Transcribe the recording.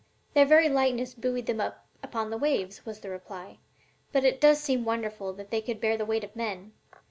"Their very lightness buoyed them up upon the waves," was the reply; "but it does seem wonderful that they could bear the weight of men.